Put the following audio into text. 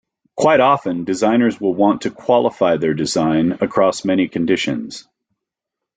Quite often, designers will want to qualify their design across many conditions.